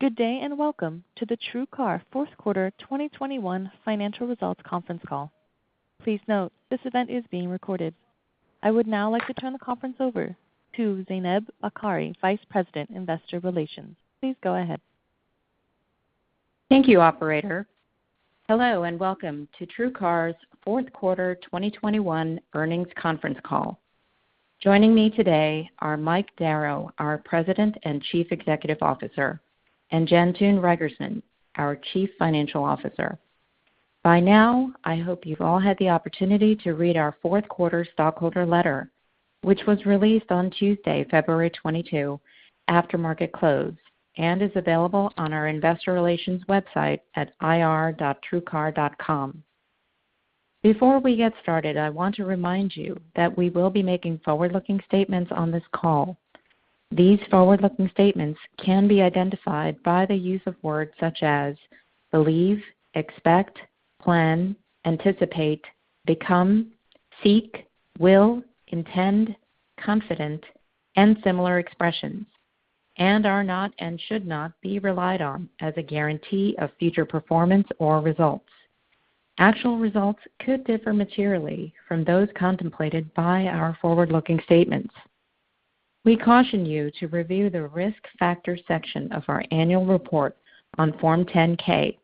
Good day, and welcome to the TrueCar fourth quarter 2021 financial results conference call. Please note, this event is being recorded. I would now like to turn the conference over to Zaineb Bokhari, Vice President, Investor Relations. Please go ahead. Thank you, operator. Hello, and welcome to TrueCar's fourth quarter 2021 earnings conference call. Joining me today are Mike Darrow, our President and Chief Executive Officer, and Jantoon Reigersman, our Chief Financial Officer. By now, I hope you've all had the opportunity to read our fourth quarter stockholder letter, which was released on Tuesday, February 22, after market close, and is available on our investor relations website at ir.truecar.com. Before we get started, I want to remind you that we will be making forward-looking statements on this call. These forward-looking statements can be identified by the use of words such as believe, expect, plan, anticipate, become, seek, will, intend, confident, and similar expressions, and are not and should not be relied on as a guarantee of future performance or results. Actual results could differ materially from those contemplated by our forward-looking statements. We caution you to review the Risk Factors section of our annual report on Form 10-K,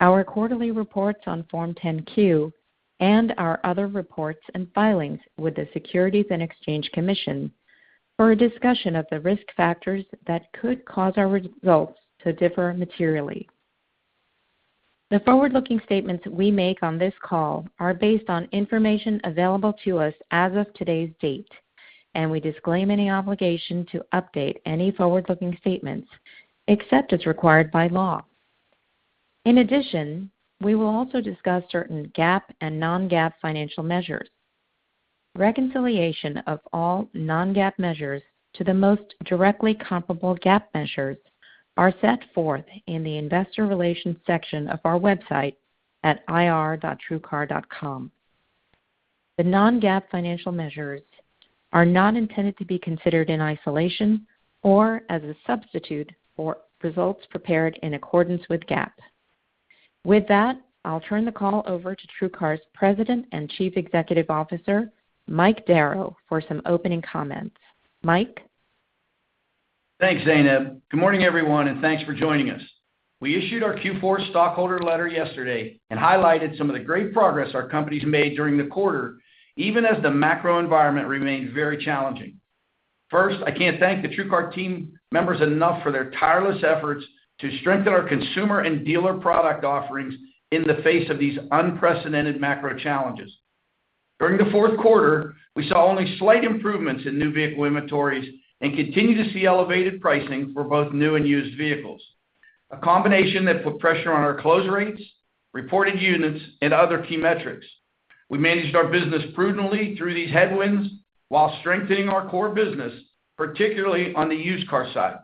our quarterly reports on Form 10-Q, and our other reports and filings with the Securities and Exchange Commission for a discussion of the risk factors that could cause our results to differ materially. The forward-looking statements we make on this call are based on information available to us as of today's date, and we disclaim any obligation to update any forward-looking statements except as required by law. In addition, we will also discuss certain GAAP and non-GAAP financial measures. Reconciliation of all non-GAAP measures to the most directly comparable GAAP measures are set forth in the Investor Relations section of our website at ir.truecar.com. The non-GAAP financial measures are not intended to be considered in isolation or as a substitute for results prepared in accordance with GAAP. With that, I'll turn the call over to TrueCar's President and Chief Executive Officer, Mike Darrow, for some opening comments. Mike? Thanks, Zaineb. Good morning, everyone, and thanks for joining us. We issued our Q4 stockholder letter yesterday and highlighted some of the great progress our company's made during the quarter, even as the macro environment remained very challenging. First, I can't thank the TrueCar team members enough for their tireless efforts to strengthen our consumer and dealer product offerings in the face of these unprecedented macro challenges. During the fourth quarter, we saw only slight improvements in new vehicle inventories and continued to see elevated pricing for both new and used vehicles. A combination that put pressure on our close rates, reported units, and other key metrics. We managed our business prudently through these headwinds while strengthening our core business, particularly on the used car side.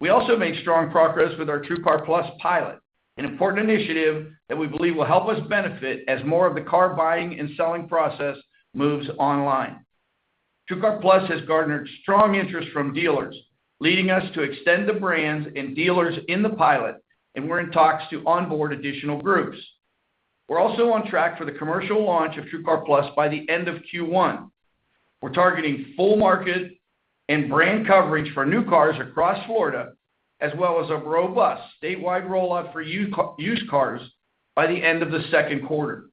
We also made strong progress with our TrueCar+ pilot, an important initiative that we believe will help us benefit as more of the car buying and selling process moves online. TrueCar+ has garnered strong interest from dealers, leading us to extend the brands and dealers in the pilot, and we're in talks to onboard additional groups. We're also on track for the commercial launch of TrueCar+ by the end of Q1. We're targeting full market and brand coverage for new cars across Florida, as well as a robust statewide rollout for used cars by the end of the second quarter.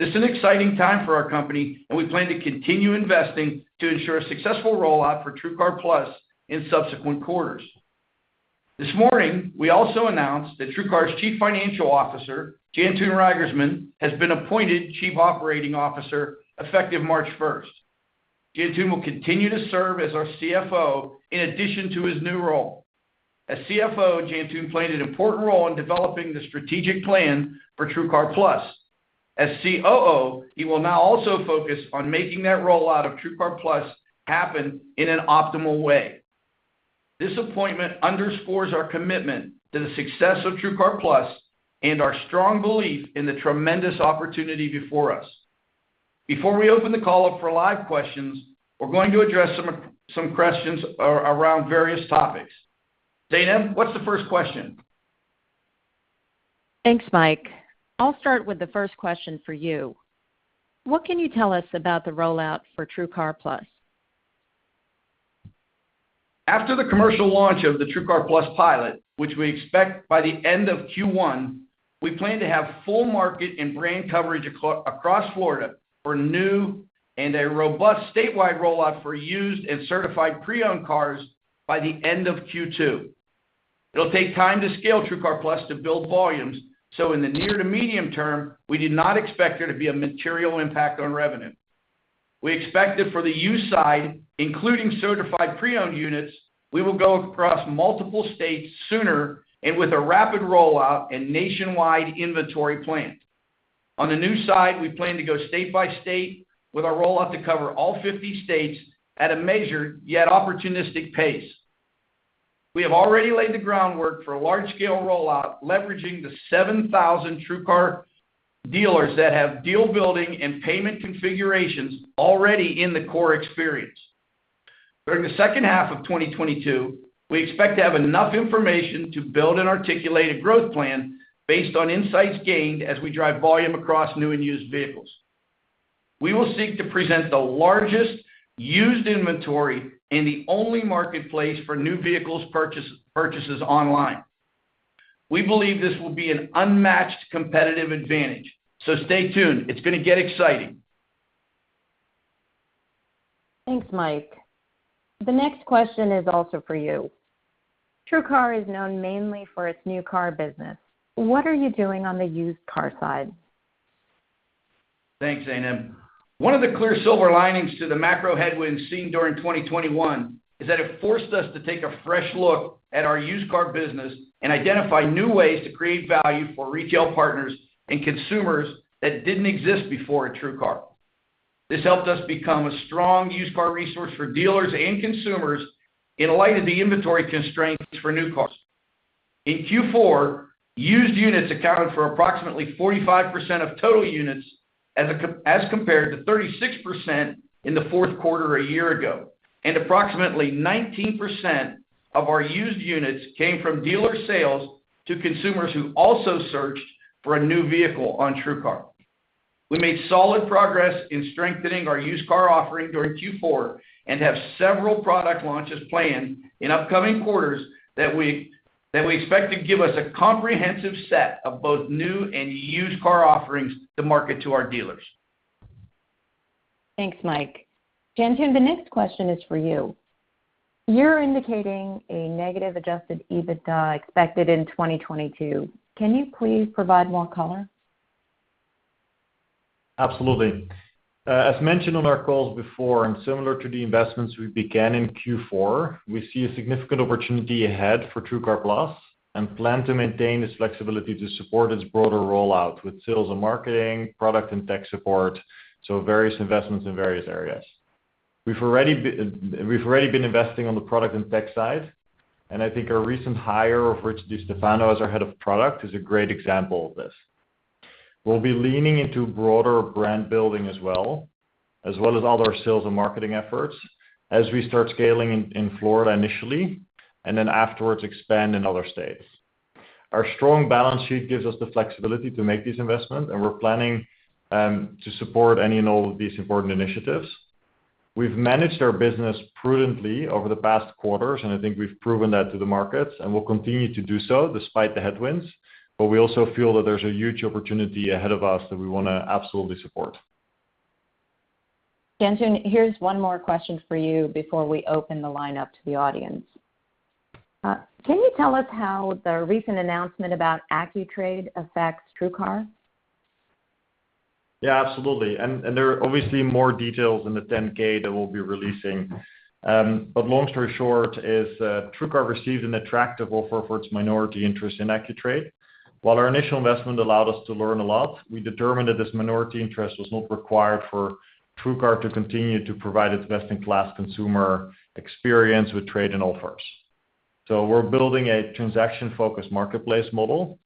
This is an exciting time for our company, and we plan to continue investing to ensure a successful rollout for TrueCar+ in subsequent quarters. This morning, we also announced that TrueCar's Chief Financial Officer, Jantoon Reigersman, has been appointed Chief Operating Officer effective March 1st. Jantoon will continue to serve as our CFO in addition to his new role. As CFO, Jantoon played an important role in developing the strategic plan for TrueCar+. As COO, he will now also focus on making that rollout of TrueCar+ happen in an optimal way. This appointment underscores our commitment to the success of TrueCar+ and our strong belief in the tremendous opportunity before us. Before we open the call up for live questions, we're going to address some questions around various topics. Zaineb, what's the first question? Thanks, Mike. I'll start with the first question for you. What can you tell us about the rollout for TrueCar+? After the commercial launch of the TrueCar+ pilot, which we expect by the end of Q1, we plan to have full market and brand coverage across Florida for new and a robust statewide rollout for used and certified pre-owned cars by the end of Q2. It'll take time to scale TrueCar+ to build volumes, so in the near to medium term, we do not expect there to be a material impact on revenue. We expect that for the used side, including certified pre-owned units, we will go across multiple states sooner and with a rapid rollout and nationwide inventory plan. On the new side, we plan to go state by state with our rollout to cover all fifty states at a measured yet opportunistic pace. We have already laid the groundwork for a large-scale rollout, leveraging the 7,000 TrueCar Dealers that have deal building and payment configurations already in the core experience. During the second half of 2022, we expect to have enough information to build and articulate a growth plan based on insights gained as we drive volume across new and used vehicles. We will seek to present the largest used inventory and the only marketplace for new vehicles purchases online. We believe this will be an unmatched competitive advantage. Stay tuned, it's gonna get exciting. Thanks, Mike. The next question is also for you. TrueCar is known mainly for its new car business. What are you doing on the used car side? Thanks, Zaineb. One of the clear silver linings to the macro headwinds seen during 2021 is that it forced us to take a fresh look at our used car business and identify new ways to create value for retail partners and consumers that didn't exist before at TrueCar. This helped us become a strong used car resource for dealers and consumers in light of the inventory constraints for new cars. In Q4, used units accounted for approximately 45% of total units as compared to 36% in the fourth quarter a year ago. Approximately 19% of our used units came from dealer sales to consumers who also searched for a new vehicle on TrueCar. We made solid progress in strengthening our used car offering during Q4 and have several product launches planned in upcoming quarters that we expect to give us a comprehensive set of both new and used car offerings to market to our dealers. Thanks, Mike. Jantoon, the next question is for you. You're indicating a negative adjusted EBITDA expected in 2022. Can you please provide more color? Absolutely. As mentioned on our calls before and similar to the investments we began in Q4, we see a significant opportunity ahead for TrueCar+ and plan to maintain this flexibility to support its broader rollout with sales and marketing, product and tech support, so various investments in various areas. We've already been investing on the product and tech side, and I think our recent hire of Rich DiStefano as our head of product is a great example of this. We'll be leaning into broader brand building as well as all our sales and marketing efforts as we start scaling in Florida initially, and then afterwards expand in other states. Our strong balance sheet gives us the flexibility to make these investments, and we're planning to support any and all of these important initiatives. We've managed our business prudently over the past quarters, and I think we've proven that to the markets, and we'll continue to do so despite the headwinds, but we also feel that there's a huge opportunity ahead of us that we wanna absolutely support. Jantoon, here's one more question for you before we open the line up to the audience. Can you tell us how the recent announcement about AccuTrade affects TrueCar? Yeah, absolutely. There are obviously more details in the 10-K that we'll be releasing. Long story short is, TrueCar received an attractive offer for its minority interest in AccuTrade. While our initial investment allowed us to learn a lot, we determined that this minority interest was not required for TrueCar to continue to provide its best-in-class consumer experience with trade-in offers. We're building a transaction-focused marketplace model.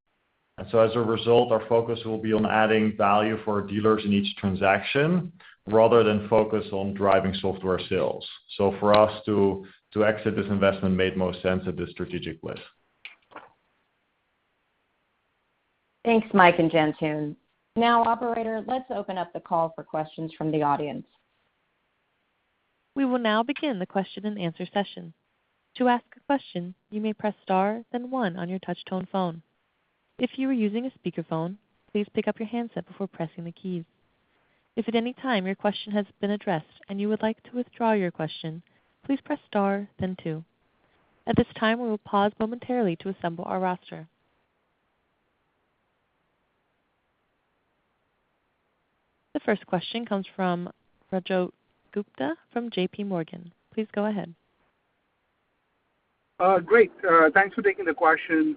As a result, our focus will be on adding value for dealers in each transaction rather than focus on driving software sales. For us to exit this investment made most sense at this strategic list. Thanks, Mike and Jantoon. Now, operator, let's open up the call for questions from the audience. We will now begin the question-and-answer session. To ask a question, you may press star, then one on your touch tone phone. If you are using a speakerphone, please pick up your handset before pressing the keys. If at any time your question has been addressed and you would like to withdraw your question, please press star then two. At this time, we will pause momentarily to assemble our roster. The first question comes from Rajat Gupta from JPMorgan. Please go ahead. Great. Thanks for taking the questions.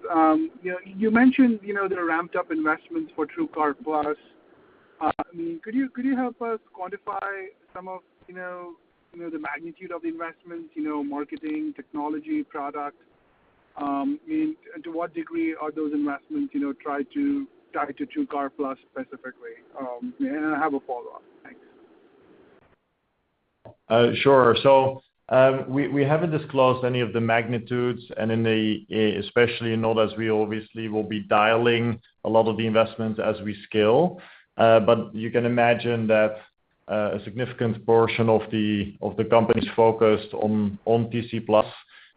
You know, you mentioned the ramped up investments for TrueCar+. I mean, could you help us quantify some of the magnitude of the investments, you know, marketing, technology, product, and to what degree are those investments tied to TrueCar+ specifically? I have a follow-up. Thanks. Sure. We haven't disclosed any of the magnitudes, and especially not as we obviously will be dialing a lot of the investments as we scale. You can imagine that a significant portion of the company's focused on TC Plus,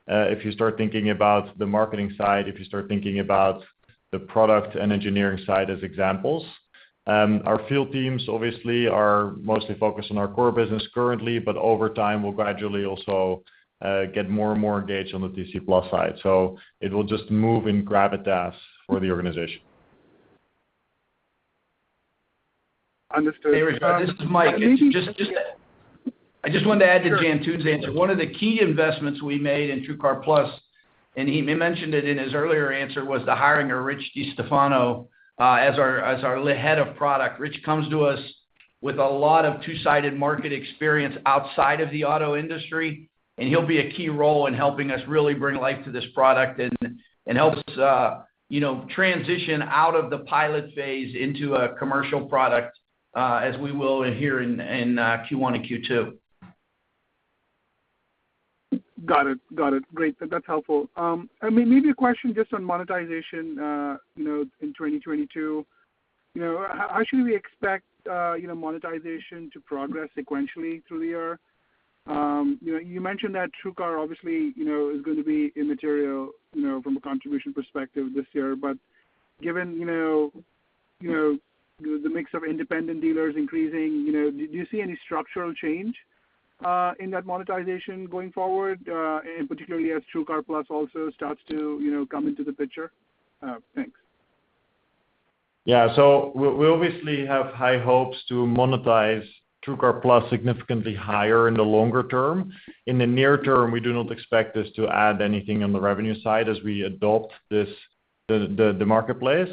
if you start thinking about the marketing side, if you start thinking about the product and engineering side as examples. Our field teams obviously are mostly focused on our core business currently, but over time, we'll gradually also get more and more engaged on the TC Plus side. It will just gain gravitas for the organization. Understood. Hey, Raj, this is Mike. I just wanted to add to Jantoon's answer. One of the key investments we made in TrueCar+, and he mentioned it in his earlier answer, was the hiring of Rich DiStefano as our head of product. Rich comes to us with a lot of two-sided market experience outside of the auto industry, and he'll be a key role in helping us really bring life to this product and help us, you know, transition out of the pilot phase into a commercial product as we will here in Q1 and Q2. Got it. Great. That's helpful. I mean, maybe a question just on monetization, you know, in 2022. You know, how should we expect, you know, monetization to progress sequentially through the year? You know, you mentioned that TrueCar obviously, you know, is gonna be immaterial, you know, from a contribution perspective this year, but given, you know, you know, the mix of independent dealers increasing, you know, do you see any structural change in that monetization going forward, and particularly as TrueCar+ also starts to, you know, come into the picture? Thanks. Yeah. We obviously have high hopes to monetize TrueCar+ significantly higher in the longer term. In the near term, we do not expect this to add anything on the revenue side as we adopt the marketplace.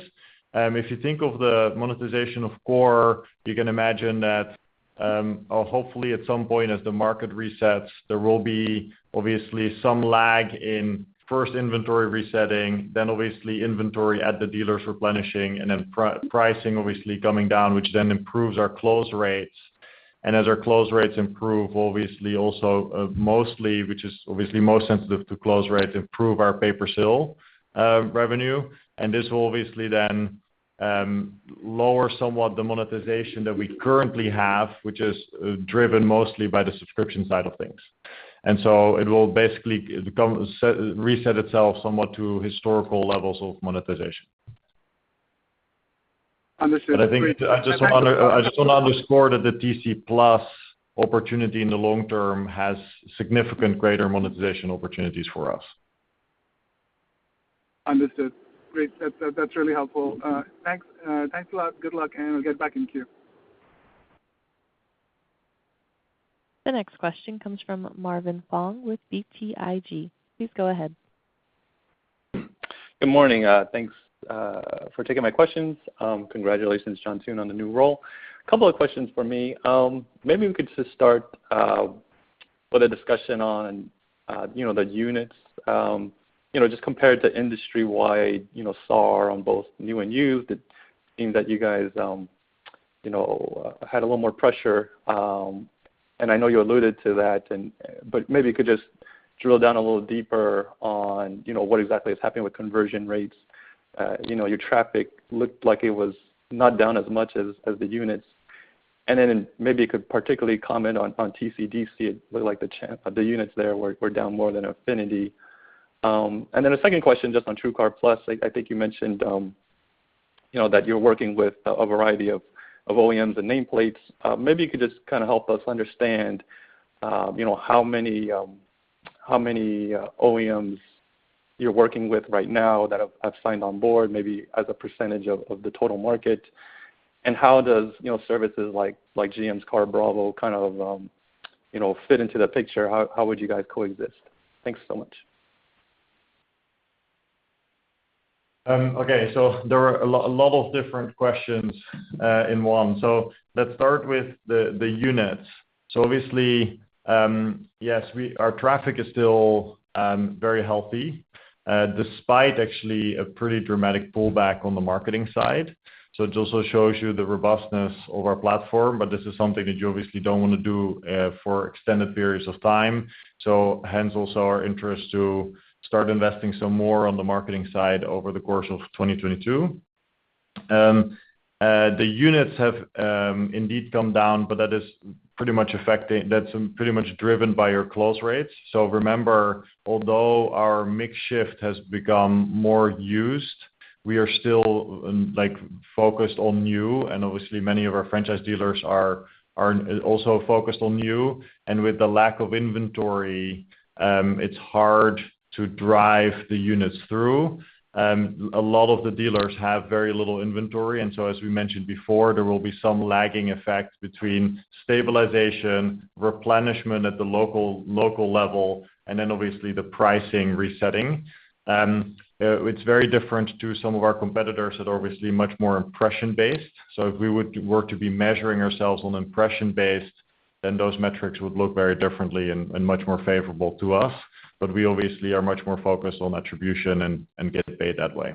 If you think of the monetization of Core, you can imagine that, or hopefully at some point as the market resets, there will be obviously some lag in first inventory resetting, then obviously inventory at the dealers replenishing, and then pricing obviously coming down, which then improves our close rates. As our close rates improve, obviously also, mostly, which is obviously most sensitive to close rates, improve our pay per sale revenue. This will obviously then lower somewhat the monetization that we currently have, which is driven mostly by the subscription side of things. It will basically reset itself somewhat to historical levels of monetization. Understood. Great. I think I just want to underscore that the TrueCar+ opportunity in the long term has significantly greater monetization opportunities for us. Understood. Great. That, that's really helpful. Thanks. Thanks a lot. Good luck, and we'll get back in queue. The next question comes from Marvin Fong with BTIG. Please go ahead. Good morning. Thanks for taking my questions. Congratulations, Jantoon, on the new role. A couple of questions from me. Maybe we could just start with a discussion on, you know, the units. You know, just compared to industry-wide, you know, SAR on both new and used, it seems that you guys, you know, had a little more pressure, and I know you alluded to that, but maybe you could just drill down a little deeper on, you know, what exactly is happening with conversion rates. You know, your traffic looked like it was not down as much as the units. Then maybe you could particularly comment on TCDC. It looked like the units there were down more than affinity. A second question just on TrueCar+. I think you mentioned, you know, that you're working with a variety of OEMs and nameplates. Maybe you could just kind of help us understand, you know, how many OEMs you're working with right now that have signed on board, maybe as a percentage of the total market. How does, you know, services like GM's CarBravo kind of, you know, fit into the picture? How would you guys coexist? Thanks so much. There are a lot of different questions in one. Let's start with the units. Obviously, our traffic is still very healthy despite actually a pretty dramatic pullback on the marketing side. It also shows you the robustness of our platform, but this is something that you obviously don't wanna do for extended periods of time. Hence also our interest to start investing some more on the marketing side over the course of 2022. The units have indeed come down, but that is pretty much driven by our close rates. Remember, although our mix shift has become more used, we are still like focused on new and obviously many of our franchise dealers are also focused on new. With the lack of inventory, it's hard to drive the units through. A lot of the dealers have very little inventory. As we mentioned before, there will be some lagging effect between stabilization, replenishment at the local level, and then obviously the pricing resetting. It's very different to some of our competitors that are obviously much more impression-based. If we were to be measuring ourselves on impression-based, then those metrics would look very differently and much more favorable to us. We obviously are much more focused on attribution and get paid that way.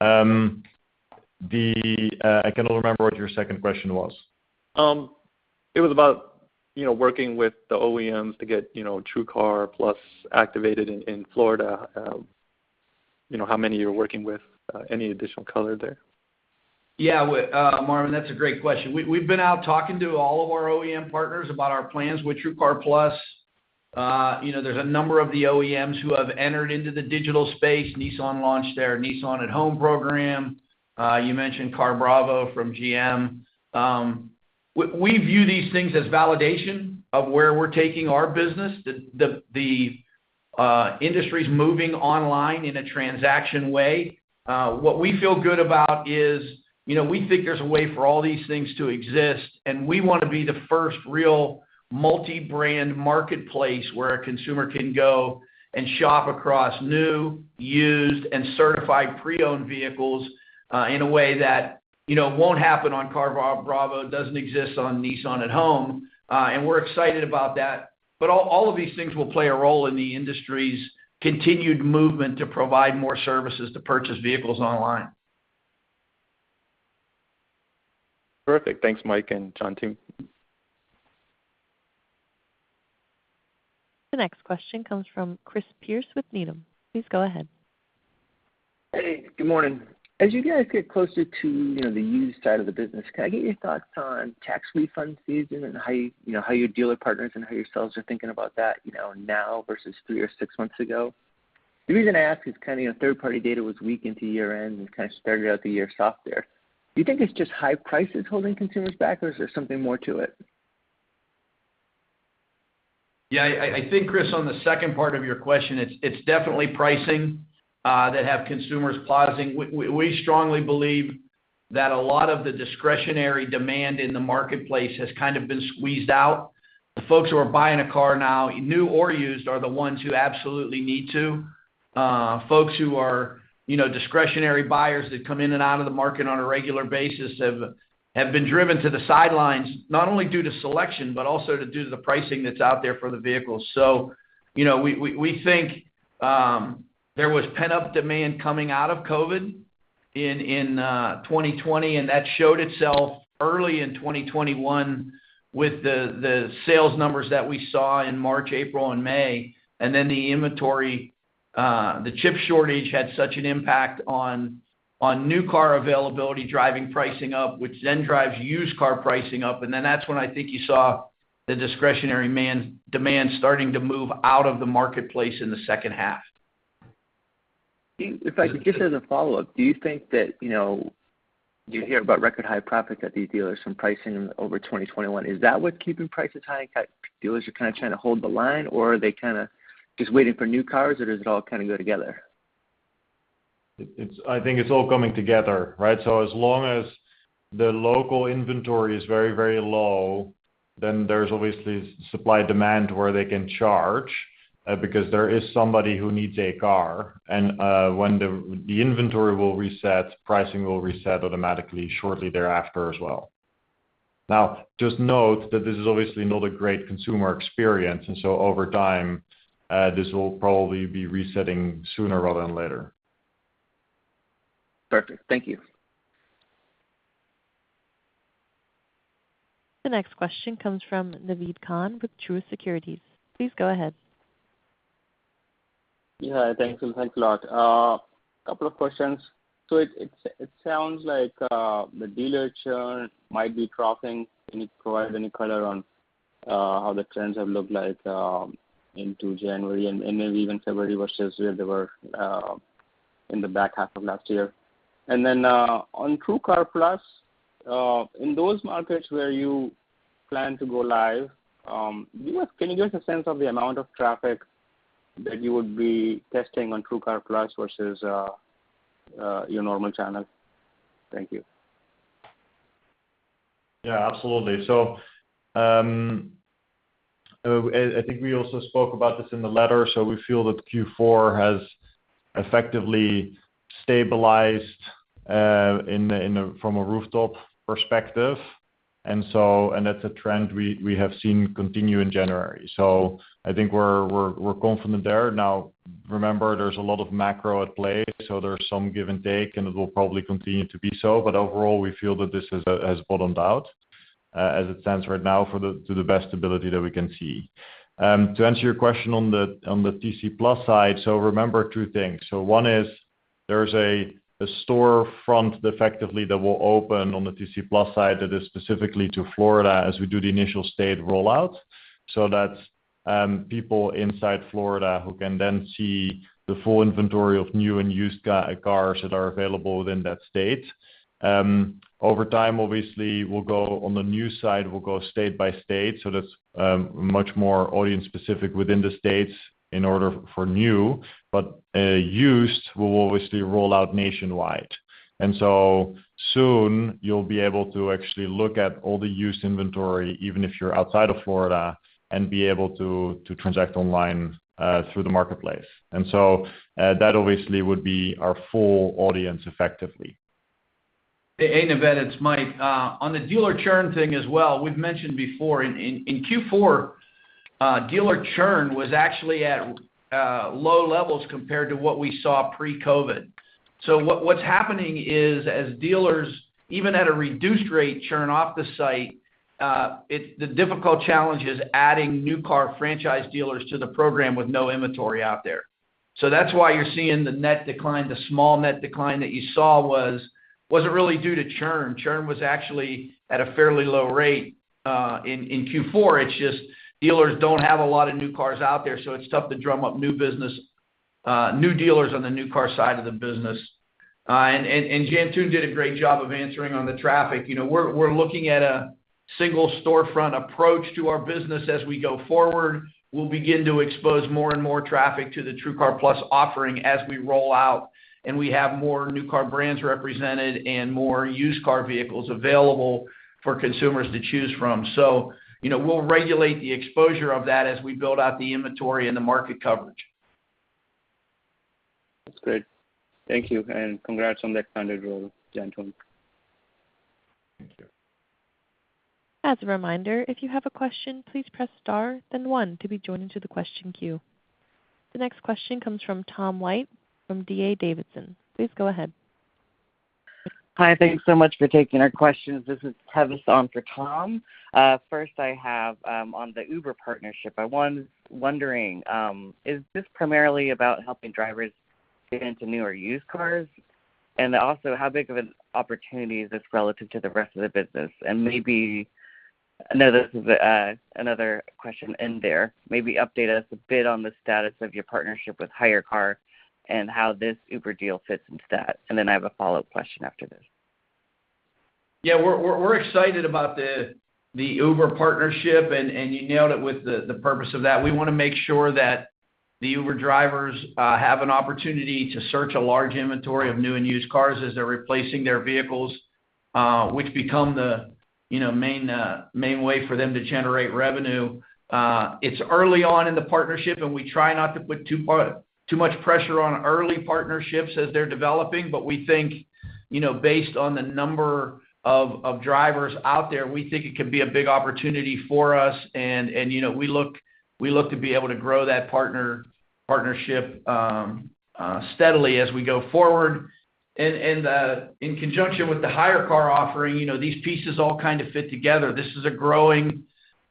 I cannot remember what your second question was. It was about working with the OEMs to get TrueCar+ activated in Florida. How many you're working with? Any additional color there? Yeah, Marvin, that's a great question. We've been out talking to all of our OEM partners about our plans with TrueCar+. You know, there's a number of the OEMs who have entered into the digital space. Nissan launched their Nissan@Home program. You mentioned CarBravo from GM. We view these things as validation of where we're taking our business. The industry's moving online in a transaction way. What we feel good about is, you know, we think there's a way for all these things to exist, and we wanna be the first real multi-brand marketplace where a consumer can go and shop across new, used, and certified pre-owned vehicles, in a way that, you know, won't happen on CarBravo, doesn't exist on Nissan@Home. We're excited about that. All of these things will play a role in the industry's continued movement to provide more services to purchase vehicles online. Perfect. Thanks, Mike and Jantoon. The next question comes from Chris Pierce with Needham. Please go ahead. Hey, good morning. As you guys get closer to, you know, the used side of the business, can I get your thoughts on tax refund season and how, you know, how your dealer partners and how your sales are thinking about that, you know, now versus three or six months ago? The reason I ask is kinda, you know, third-party data was weak into year-end and kind of started out the year soft there. Do you think it's just high prices holding consumers back, or is there something more to it? Yeah, I think, Chris, on the second part of your question, it's definitely pricing that have consumers pausing. We strongly believe that a lot of the discretionary demand in the marketplace has kind of been squeezed out. The folks who are buying a car now, new or used, are the ones who absolutely need to. Folks who are, you know, discretionary buyers that come in and out of the market on a regular basis have been driven to the sidelines, not only due to selection but also due to the pricing that's out there for the vehicles. You know, we think there was pent-up demand coming out of COVID in 2020, and that showed itself early in 2021 with the sales numbers that we saw in March, April, and May. The inventory, the chip shortage had such an impact on new car availability, driving pricing up, which then drives used car pricing up. That's when I think you saw the discretionary demand starting to move out of the marketplace in the second half. If I could just as a follow-up, do you think that, you know, do you hear about record high profit at these dealers from pricing over 2021? Is that what's keeping prices high? Like, dealers are kinda trying to hold the line, or are they kinda just waiting for new cars, or does it all kinda go together? I think it's all coming together, right? As long as the local inventory is very, very low, then there's obviously supply demand where they can charge, because there is somebody who needs a car. When the inventory will reset, pricing will reset automatically shortly thereafter as well. Now, just note that this is obviously not a great consumer experience, and so over time, this will probably be resetting sooner rather than later. Perfect. Thank you. The next question comes from Naved Khan with Truist Securities. Please go ahead. Yeah, thanks. Thanks a lot. A couple of questions. It sounds like the dealer churn might be dropping. Can you provide any color on how the trends have looked like into January and maybe even February versus where they were in the back half of last year? On TrueCar+, in those markets where you plan to go live, can you give us a sense of the amount of traffic that you would be testing on TrueCar+ versus your normal channel? Thank you. Yeah, absolutely. I think we also spoke about this in the letter. We feel that Q4 has effectively stabilized from a rooftop perspective. And that's a trend we have seen continue in January. I think we're confident there. Now, remember, there's a lot of macro at play, so there's some give and take, and it will probably continue to be so. Overall, we feel that this has bottomed out as it stands right now to the best ability that we can see. To answer your question on the TC Plus side, remember two things. One is there's a storefront effectively that will open on the TC Plus side that is specifically to Florida as we do the initial state rollout. That's people inside Florida who can then see the full inventory of new and used cars that are available within that state. Over time, obviously, we'll go on the new side, we'll go state by state. That's much more audience specific within the states in order for new but used will obviously roll out nationwide. And so soon, you'll be able to actually look at all the used inventory, even if you're outside of Florida, and be able to transact online through the marketplace. That obviously would be our full audience effectively. Hey, Naved, it's Mike. On the dealer churn thing as well, we've mentioned before, in Q4, dealer churn was actually at low levels compared to what we saw pre-COVID. What's happening is as dealers, even at a reduced rate, churn off the site, the difficult challenge is adding new car franchise dealers to the program with no inventory out there. That's why you're seeing the net decline. The small net decline that you saw wasn't really due to churn. Churn was actually at a fairly low rate in Q4. It's just dealers don't have a lot of new cars out there, so it's tough to drum up new business, new dealers on the new car side of the business. And Jantoon did a great job of answering on the traffic. You know, we're looking at a single storefront approach to our business as we go forward. We'll begin to expose more and more traffic to the TrueCar+ offering as we roll out, and we have more new car brands represented and more used car vehicles available for consumers to choose from. You know, we'll regulate the exposure of that as we build out the inventory and the market coverage. That's great. Thank you, and congrats on that funded role, gentlemen. Thank you. As a reminder, if you have a question, please press star then one to be joined into the question queue. The next question comes from Tom White from D.A. Davidson. Please go ahead. Hi. Thank you so much for taking our questions. This is Tevis on for Tom. First, I have on the Uber partnership. I'm wondering, is this primarily about helping drivers get into new or used cars? Also, how big of an opportunity is this relative to the rest of the business? I know this is another question in there. Maybe update us a bit on the status of your partnership with HyreCar and how this Uber deal fits into that. Then I have a follow-up question after this. Yeah. We're excited about the Uber partnership, and you nailed it with the purpose of that. We wanna make sure that the Uber drivers have an opportunity to search a large inventory of new and used cars as they're replacing their vehicles, which become the, you know, main way for them to generate revenue. It's early on in the partnership, and we try not to put too much pressure on early partnerships as they're developing. We think, you know, based on the number of drivers out there, we think it could be a big opportunity for us and, you know, we look to be able to grow that partnership steadily as we go forward. In conjunction with the HyreCar offering, you know, these pieces all kind of fit together. This is a growing,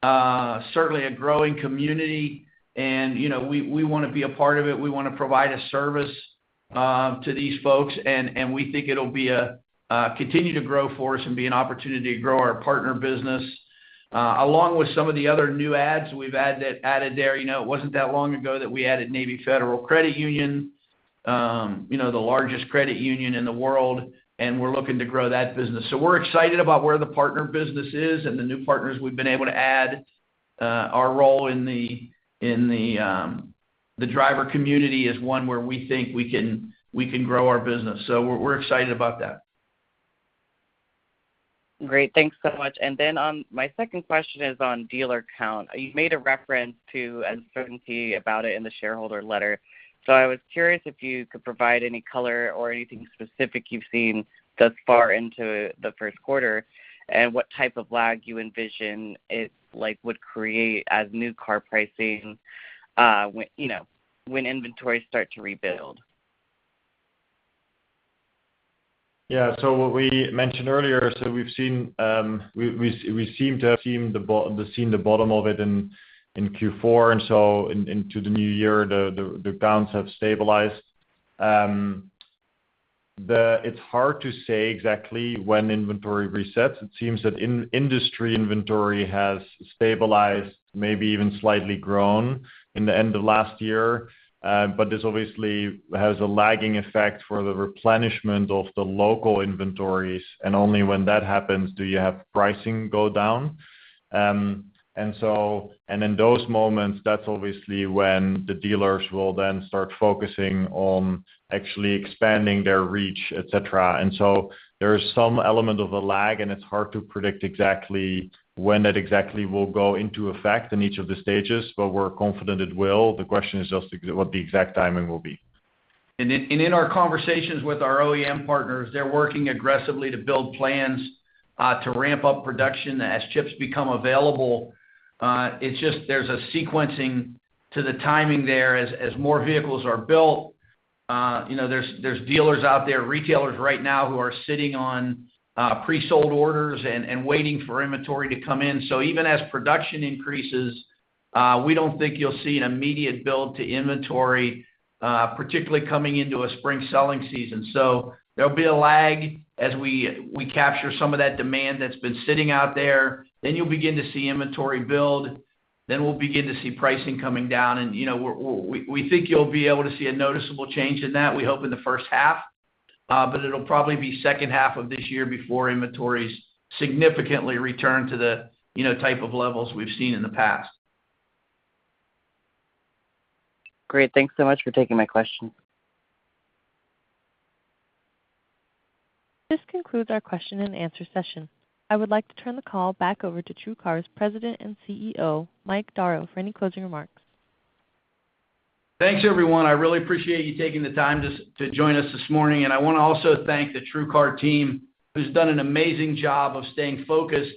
certainly a growing community, and, you know, we wanna be a part of it. We wanna provide a service to these folks, and we think it'll continue to grow for us and be an opportunity to grow our partner business. Along with some of the other new ads we've added there. You know, it wasn't that long ago that we added Navy Federal Credit Union, you know, the largest credit union in the world, and we're looking to grow that business. We're excited about where the partner business is and the new partners we've been able to add. Our role in the driver community is one where we think we can grow our business. We're excited about that. Great. Thanks so much. Then on my second question is on dealer count. You made a reference to a certainty about it in the shareholder letter. I was curious if you could provide any color or anything specific you've seen thus far into the first quarter and what type of lag you envision it, like, would create as new car pricing, when, you know, inventory start to rebuild. Yeah. So, what we mentioned earlier, so we've seen, we seem to have seen the bottom of it in Q4. Into the new year, the counts have stabilized. It's hard to say exactly when inventory resets. It seems that in industry inventory has stabilized, maybe even slightly grown in the end of last year. This obviously has a lagging effect for the replenishment of the local inventories, and only when that happens do you have pricing go down. In those moments, that's obviously when the dealers will then start focusing on actually expanding their reach, et cetera. There is some element of a lag, and it's hard to predict exactly when that will go into effect in each of the stages, but we're confident it will. The question is just what the exact timing will be. In our conversations with our OEM partners, they're working aggressively to build plans to ramp up production as chips become available. It's just there's a sequencing to the timing there as more vehicles are built. You know, there's dealers out there, retailers right now who are sitting on pre-sold orders and waiting for inventory to come in. Even as production increases, we don't think you'll see an immediate build to inventory, particularly coming into a spring selling season. There'll be a lag as we capture some of that demand that's been sitting out there. You'll begin to see inventory build. We'll begin to see pricing coming down. You know, we think you'll be able to see a noticeable change in that. We hope in the first half, but it'll probably be second half of this year before inventories significantly return to the, you know, type of levels we've seen in the past. Great. Thanks so much for taking my question. This concludes our question-and-answer session. I would like to turn the call back over to TrueCar's President and CEO, Mike Darrow, for any closing remarks. Thanks, everyone. I really appreciate you taking the time to join us this morning. I wanna also thank the TrueCar team, who's done an amazing job of staying focused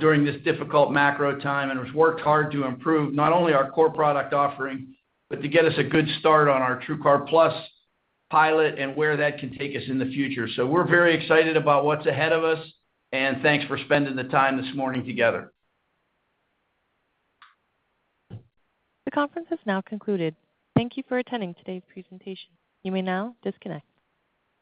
during this difficult macro time and has worked hard to improve not only our core product offering but to get us a good start on our TrueCar+ pilot and where that can take us in the future. We're very excited about what's ahead of us, and thanks for spending the time this morning together. The conference has now concluded. Thank you for attending today's presentation. You may now disconnect.